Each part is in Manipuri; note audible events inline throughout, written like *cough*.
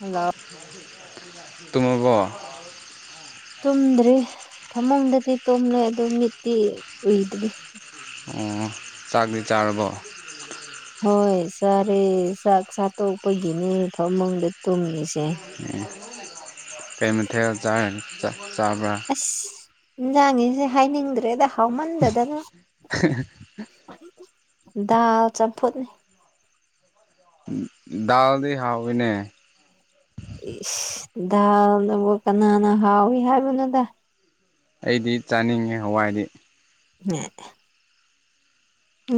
ꯍꯜꯂꯣ ꯇꯨꯝꯃꯕꯣ ꯇꯨꯝꯗ꯭ꯔꯤ ꯐꯃꯨꯡꯗꯗꯤ ꯇꯨꯝꯂꯦ ꯑꯗꯨ ꯃꯤꯠꯇꯤ ꯎꯨꯏꯗ꯭ꯔꯤ ꯑꯣ ꯆꯥꯛꯗꯤ ꯆꯥꯔꯕꯣ ꯍꯣꯏ ꯆꯥꯔꯦ ꯆꯥꯛ ꯆꯥꯇꯣꯛꯄꯒꯤꯅꯦ ꯐꯃꯨꯡꯗ ꯇꯨꯝꯃꯤꯁꯦ ꯀꯩ ꯃꯊꯦꯜ ꯆꯥꯏ ꯆꯕ꯭ꯔꯥ ꯑꯁ ꯏꯟꯖꯥꯡꯒꯤꯁꯦ ꯍꯥꯏꯅꯤꯡꯗ꯭ꯔꯦꯗ ꯍꯥꯎꯃꯟꯗꯗꯅ *inaudible* ꯗꯥꯜ ꯆꯝꯐꯨꯠ ꯗꯜꯗꯤ ꯍꯥꯎꯋꯤꯅꯦ ꯏꯁ ꯗꯥꯜꯅꯕꯨ ꯀꯅꯥꯅ ꯍꯥꯎꯌꯤ ꯍꯥꯏꯕꯅꯣꯗ ꯑꯩꯗꯤ ꯆꯥꯅꯤꯡꯉꯦ ꯍꯋꯥꯏꯗꯤ ꯑꯦ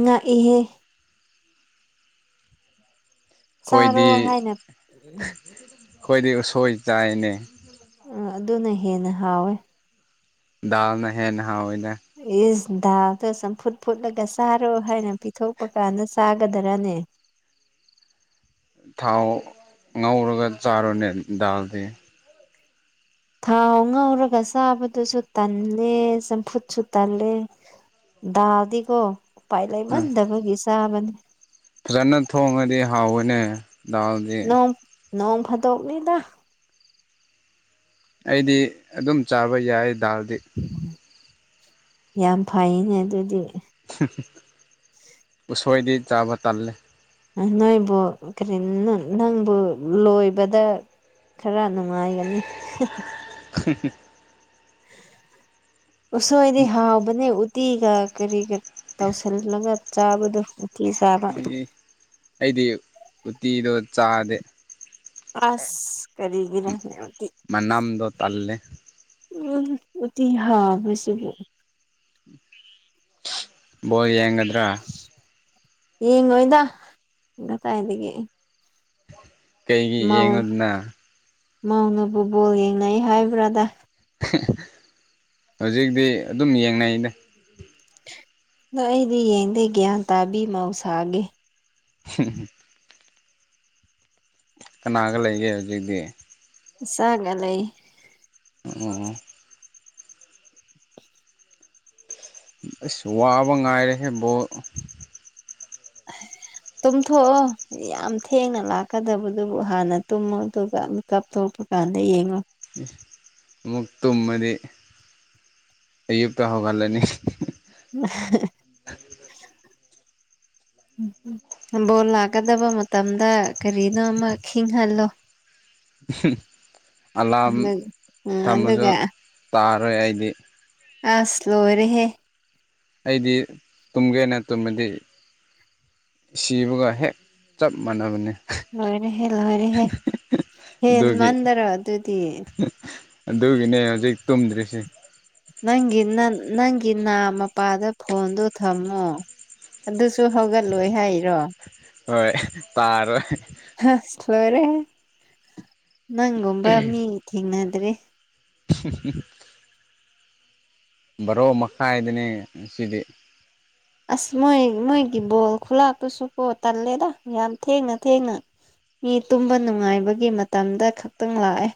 ꯉꯥꯛꯏꯍꯦ ꯑꯩꯈꯣꯏꯗꯤ ꯆꯥꯔꯣ ꯍꯥꯏꯅ ꯑꯩꯈꯣꯏꯗꯤ ꯎꯁꯣꯏ ꯆꯥꯏꯅꯦ ꯑ ꯑꯗꯨꯅ ꯍꯦꯟꯅ ꯍꯥꯎꯋꯦ ꯗꯥꯜꯅ ꯍꯦꯟꯅ ꯍꯥꯎꯌꯦꯅꯦ ꯏꯁ ꯗꯥꯥꯜꯗꯣ ꯆꯝꯐꯨꯠ ꯐꯨꯠꯂꯒ ꯆꯥꯔꯣ ꯍꯥꯏꯅ ꯄꯤꯊꯣꯛꯄ ꯀꯥꯟꯗ ꯆꯥꯒꯗꯔꯅꯦ ꯊꯥꯎ ꯉꯧꯔꯒ ꯆꯥꯔꯣꯅꯦ ꯗꯥꯜꯗꯤ ꯊꯥꯎ ꯉꯧꯔꯒ ꯆꯥꯕꯗꯨꯁꯨ ꯇꯜꯂꯦ ꯆꯝꯐꯨꯠꯁꯨ ꯇꯜꯂꯦ ꯗꯥꯜꯗꯤꯀꯣ ꯎꯄꯥꯏ ꯎꯝ ꯂꯩꯃꯟꯗꯕꯒꯤ ꯆꯥꯕꯅꯤ ꯐꯖꯅ ꯊꯣꯡꯉꯗꯤ ꯍꯥꯎꯕꯅꯦ ꯗꯥꯜ ꯅꯣꯡ ꯅꯣꯡ ꯐꯥꯗꯣꯛꯅꯤꯗ ꯑꯩꯗꯤ ꯑꯗꯨꯝ ꯆꯥꯕ ꯌꯥꯏ ꯗꯥꯜꯗꯤ ꯌꯥꯝ ꯐꯩꯅꯦ ꯑꯗꯨꯗꯤ ꯎꯁꯣꯏꯗꯤ ꯆꯥꯕ ꯇꯜꯂꯦ ꯅꯣꯏꯕꯨ ꯀꯔꯤ ꯅꯪꯕꯨ ꯂꯣꯏꯕꯗ ꯈꯔ ꯅꯨꯡꯉꯥꯏꯒꯅꯤ *inaudible* ꯎꯁꯣꯏꯗꯤ ꯍꯥꯎꯕꯅꯦ ꯎꯇꯤꯒ ꯀꯔꯤꯒ ꯇꯧꯁꯤꯜꯂꯒ ꯆꯥꯕꯗꯣ ꯎꯇꯤ ꯆꯥꯕ ꯏ ꯑꯩꯗꯤ ꯎꯇꯤꯗꯣ ꯆꯥꯗꯦ ꯑꯁ ꯀꯔꯤꯒꯤꯔꯅꯦ ꯎꯇꯤ ꯃꯅꯥꯝꯗꯣ ꯇꯜꯂꯦ ꯎꯝ ꯎꯇꯤ ꯍꯥꯎꯕꯁꯤꯕꯨ ꯎꯝ ꯐꯣꯜ ꯌꯦꯡꯒꯗ꯭ꯔꯥ ꯌꯦꯡꯂꯣꯏꯗ ꯀꯥꯗꯥꯏꯗꯒꯤ ꯀꯩꯒꯤ ꯌꯦꯡꯉꯨꯗꯅ ꯃꯧꯅꯕꯨ ꯕꯣꯜ ꯌꯦꯡꯅꯩ ꯍꯥꯏꯕ꯭ꯔꯥꯗ ꯍꯧꯖꯤꯛꯇꯤ ꯑꯗꯨꯝ ꯌꯦꯡꯅꯩꯅꯦ ꯅꯪ ꯑꯩꯗꯤ ꯌꯦꯡꯗꯦ ꯒ꯭ꯌꯥꯟ ꯇꯥꯕꯤ ꯃꯍꯧꯁꯥꯒꯦ ꯍ *inaudible* ꯀꯅꯥꯒ ꯂꯩꯒꯦ ꯍꯧꯖꯤꯛꯇꯤ ꯏꯆꯒꯥ ꯂꯩ ꯑꯣ ꯑꯁ ꯋꯥꯕ ꯉꯥꯏꯔꯍꯦꯕꯣ ꯇꯨꯝꯊꯣꯛ ꯑꯣ ꯌꯥꯝ ꯊꯦꯡꯅ ꯂꯥꯛꯀꯗꯕꯗꯨꯕꯨ ꯍꯥꯟꯅ ꯇꯨꯝꯃꯨ ꯑꯗꯨꯒ ꯃꯤꯀꯞ ꯊꯣꯛꯧꯔꯛꯄ ꯀꯥꯟꯗ ꯌꯦꯡꯉꯨ ꯑꯃꯨꯛ ꯇꯨꯝꯃꯗꯤ ꯑꯌꯨꯛꯇ ꯍꯧꯒꯠꯂꯅꯤ ꯝ *unintelligible* ꯕꯣꯜ ꯂꯥꯛꯀꯗꯕ ꯃꯇꯝꯗ ꯀꯔꯤꯅꯣ ꯑꯃ ꯈꯤꯍꯜꯂꯣ ꯑꯂꯥꯝ ꯎꯝ ꯊꯝꯃꯁꯨ ꯑꯗꯨꯒ ꯇꯥꯔꯣꯏ ꯍꯥꯏꯗꯤ ꯑꯁ ꯂꯣꯏꯔꯦ ꯍꯦ ꯑꯩꯗꯤ ꯇꯨꯝꯒꯦꯅ ꯇꯨꯝꯃꯗꯤ ꯁꯤꯕꯒ ꯍꯦꯛ ꯆꯞ ꯃꯥꯟꯅꯕꯅꯤ ꯂꯣꯏꯔꯦꯍꯦ ꯂꯣꯏꯔꯦꯍꯦ ꯍꯦꯟ ꯑꯗꯨꯒꯤ ꯃꯟꯗꯔꯣ ꯑꯗꯨꯗꯤ ꯑꯗꯨꯒꯤꯅꯦ ꯍꯧꯖꯤꯛ ꯇꯨꯝꯗ꯭ꯔꯤꯁꯦ ꯅꯪꯒꯤ ꯅꯪꯒꯤ ꯅꯥ ꯃꯄꯥꯗ ꯐꯣꯟꯗꯣ ꯊꯝꯃꯣ ꯑꯗꯨꯁꯨ ꯍꯧꯒꯠꯂꯣꯏ ꯍꯥꯏꯔꯣ ꯍꯣꯏ ꯇꯥꯔꯦ ꯑꯁ ꯂꯣꯏꯔꯦꯍꯦ ꯅꯪꯒꯨꯝꯕ ꯃꯤ ꯊꯦꯡꯅꯗ꯭ꯔꯤ *unintelligible* ꯕꯔꯣ ꯃꯈꯥꯏꯗꯅꯦ ꯁꯤꯗꯤ ꯑꯁ ꯃꯣꯏ ꯃꯣꯏꯒꯤ ꯕꯣꯜ ꯈꯨꯂꯥꯛꯇꯨꯁꯨ ꯄꯣꯠ ꯇꯜꯂꯦꯗ ꯌꯥꯝ ꯊꯦꯡꯅ ꯊꯦꯡꯅ ꯃꯤ ꯇꯨꯝꯕ ꯅꯨꯡꯉꯥꯏꯕꯒꯤ ꯃꯇꯝꯗ ꯈꯛꯇꯪ ꯂꯥꯛꯑꯦ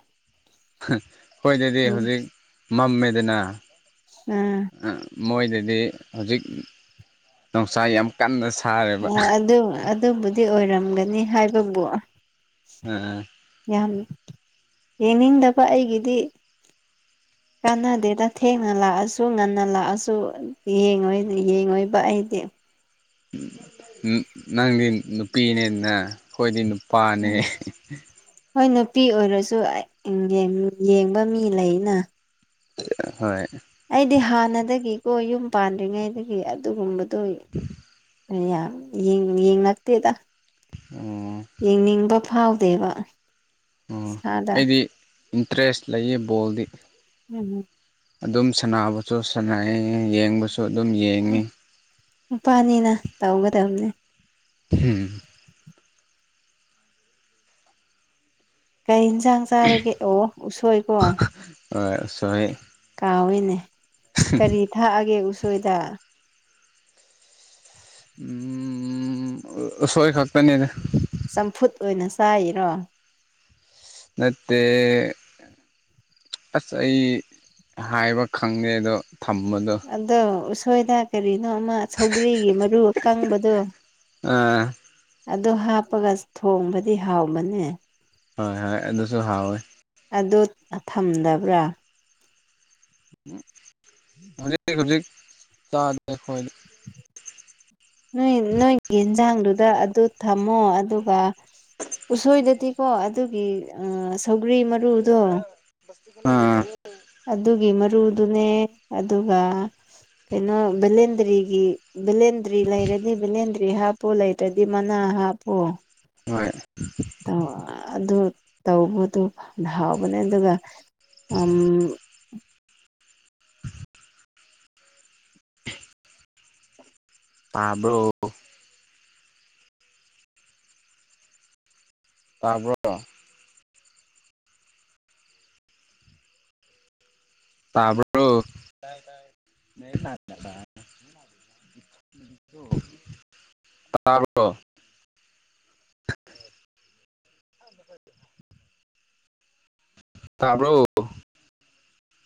ꯍꯣꯏ ꯑꯗꯨꯗꯤ ꯎꯝ ꯍꯧꯖꯤꯛ ꯃꯝꯃꯦꯗꯅ ꯎꯝ ꯃꯣꯏꯗꯗꯤ ꯍꯧꯖꯤꯛ ꯅꯨꯡꯁꯥ ꯌꯥꯝ ꯀꯟꯅ ꯁꯥꯔꯦꯕ ꯑꯗꯨ ꯑꯗꯨꯕꯨꯗꯤ ꯑꯣꯏꯔꯝꯒꯅꯤ ꯍꯥꯏꯕꯕꯨ ꯎꯝ ꯎꯝ ꯌꯥꯝꯃꯤ ꯌꯦꯡꯅꯤꯡꯗꯕ ꯑꯩꯒꯤꯗꯤ *inaudible* ꯀꯥꯟꯅꯗꯦꯗ ꯊꯦꯡꯅ ꯂꯥꯛꯑꯁꯨ ꯉꯟꯅ ꯂꯥꯛꯑꯁꯨ ꯌꯦꯡꯉꯣꯏꯕ ꯑꯩꯗꯤ ꯅꯪꯗꯤ ꯅꯨꯄꯤꯅꯦꯅ ꯑꯩꯈꯣꯏꯗꯤ ꯅꯨꯄꯥꯅꯦ ꯎꯝ ꯍꯣꯏ ꯅꯨꯄꯤ ꯑꯣꯏꯔꯁꯨ ꯌꯦꯡꯕ ꯃꯤ ꯂꯩꯅ ꯍꯣꯏ ꯑꯩꯗꯤ ꯍꯥꯟꯅꯗꯒꯤꯀꯣ ꯌꯨꯝ ꯄꯥꯟꯗ꯭ꯔꯤꯉꯩꯗꯒꯤ ꯑꯗꯨꯒꯨꯝꯕꯗꯣ ꯌꯦꯡꯉꯛꯇꯦꯗ ꯑꯣ ꯌꯦꯡꯅꯤꯡꯕ ꯐꯥꯎꯗꯦꯕ ꯑꯣ ꯏꯁꯥꯗ ꯑꯩꯗꯤ ꯏꯟꯇꯔꯦꯁ ꯂꯩꯌꯦ ꯕꯣꯜꯗꯤ ꯎꯝꯝ ꯑꯗꯨꯝ ꯁꯥꯟꯅꯕꯁꯨ ꯁꯥꯟꯅꯩ ꯌꯦꯡꯕꯁꯨ ꯑꯗꯨꯝ ꯌꯦꯡꯉꯤ ꯅꯨꯄꯥꯅꯤꯅ ꯇꯧꯒꯗꯕꯅꯦ ꯍꯝ ꯀꯩ ꯌꯦꯟꯁꯥꯡ ꯆꯥꯔꯒꯦ ꯑꯣ ꯎꯁꯣꯏꯀꯣ ꯁ ꯍꯦ ꯀꯥꯎꯋꯏꯅꯦ ꯀꯔꯤ ꯊꯥꯛꯑꯒꯦ ꯎꯁꯣꯏꯗ ꯑꯁꯣꯏ ꯈꯛꯇꯅꯤꯅꯦ ꯆꯝꯐꯨꯠ ꯑꯣꯏꯅ ꯆꯥꯏꯔꯤꯔꯣ ꯅꯠꯇꯦ ꯑꯁ ꯑꯩ ꯍꯥꯏꯕ ꯈꯪꯗꯦ ꯑꯗꯣ ꯊꯝꯕꯗꯣ ꯑꯗꯣ ꯎꯁꯣꯏꯗ ꯀꯔꯤꯅꯣ ꯑꯃ ꯁꯧꯒꯔꯤꯒꯤ ꯃꯔꯨ ꯑꯀꯪꯕꯗꯣ ꯑꯥ ꯑꯗ ꯍꯥꯞꯄꯒ ꯊꯣꯡꯕꯗꯤ ꯍꯥꯎꯕꯅꯦ ꯍꯣꯏ ꯍꯣꯏ ꯑꯗꯨꯁꯨ ꯍꯥꯎꯋꯦ ꯑꯗꯨ ꯊꯝꯗꯕ꯭ꯔꯥ ꯎ ꯍꯧꯖꯤꯛ ꯍꯧꯖꯤꯛ ꯆꯥꯗꯦ ꯑꯩꯈꯣꯏ ꯅꯣꯏ ꯅꯣꯏꯒꯤ ꯌꯦꯟꯖꯥꯡꯗꯨꯗ ꯑꯗꯨ ꯊꯝꯃꯣ ꯑꯗꯨꯒ ꯎꯁꯣꯏꯗꯨꯗꯤ ꯀꯣ ꯑꯗꯨꯒꯤ ꯁꯧꯒ꯭ꯔꯤ ꯃꯔꯨꯗꯣ ꯑꯥ ꯑꯗꯨꯒꯤ ꯃꯔꯨꯗꯨꯅꯦ ꯑꯗꯨꯒ ꯀꯩꯅꯣ ꯕꯦꯂꯦꯟꯗ꯭ꯔꯤꯒꯤ ꯕꯦꯂꯦꯟꯗ꯭ꯔꯤ ꯂꯩꯔꯗꯤ ꯕꯦꯂꯦꯟꯗ꯭ꯔꯤ ꯍꯥꯞꯄꯨ ꯂꯩ ꯇꯔꯗꯤ ꯃꯅꯥ ꯍꯥꯞꯄꯣ ꯍꯣꯏ ꯑꯗꯨ ꯇꯧꯕꯗꯣ ꯍꯥꯎꯕꯅꯦ ꯑꯗꯨꯒ ꯇꯥꯕ꯭ꯔꯣ ꯇꯥꯕ꯭ꯔꯣ ꯇꯥꯕꯔꯣ ꯇꯥꯕꯔꯣ ꯑ ꯐ *unintelligible* ꯇꯥꯕ꯭ꯔꯣ